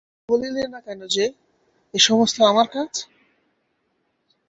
তুমি বলিলে না কেন যে, এ-সমস্ত আমার কাজ।